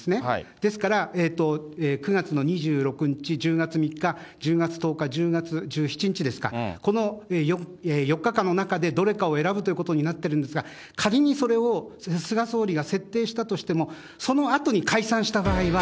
ですから、９月の２６日、１０月３日、１０月１０日、１０月１７日ですか、この４日間の中で、どれかを選ぶということになってるんですが、仮にそれを菅総理が設定したとしても、そのあとに解散した場合は、